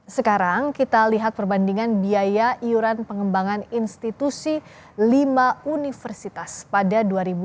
sekarang kita lihat perbandingan biaya iuran pengembangan institusi lima universitas pada dua ribu dua puluh